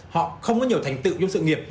họ không có nhiều thành tựu trong sự nghiệp